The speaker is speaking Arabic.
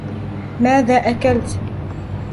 ماذا أكلت ؟